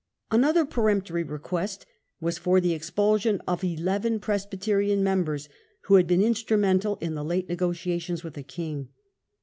Another peremptory request was for the expulsion of eleven Presbyterian members who had been instrumental in the late negotiations with the king.